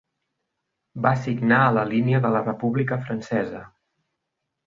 Va signar a la línia de la República Francesa.